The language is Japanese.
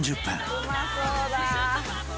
和田：うまそうだ！